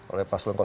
oleh pasuleng satu